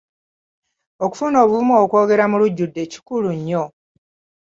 Okufuna obuvumu okwogera mulujudde kikulu nnyo.